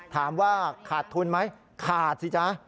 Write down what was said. ถามว่าขาดทุนไหมขาดสิจ๊ะ